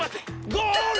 ゴール！